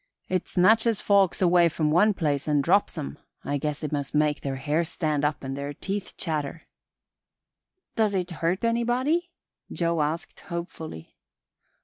It snatches folks away to some place and drops 'em. I guess it must make their hair stand up and their teeth chatter." "Does it hurt anybody?" Joe asked hopefully.